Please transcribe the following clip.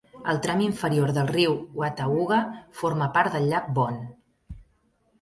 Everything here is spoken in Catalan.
El tram inferior del riu Watauga forma part del llac Boone.